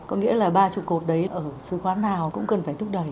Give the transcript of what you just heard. có nghĩa là ba trụ cột đấy ở sứ quán nào cũng cần phải thúc đẩy